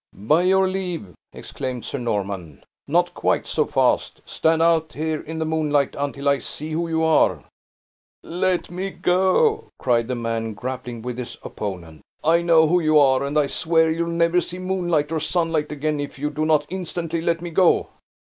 "By your leave!" exclaimed Sir Norman. "Not quite so fast! Stand out here in the moonlight, until I see who you are." "Let me go!" cried the man, grappling with his opponent. "I know who you are, and I swear you'll never see moonlight or sunlight again, if you do not instantly let me go."